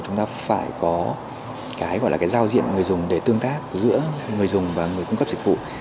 chúng ta phải có giao diện người dùng để tương tác giữa người dùng và người cung cấp dịch vụ